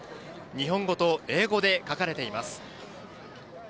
日本語と英語で書かれています。